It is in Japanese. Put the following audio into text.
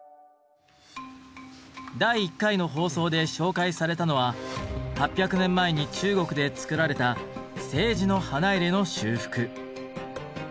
第１回の放送で紹介されたのは８００年前に中国で作られた青磁の花入の修復。